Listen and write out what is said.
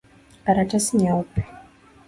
Karatasi nyeupe.